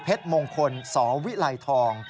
เพชรมงคลสวิไลทอง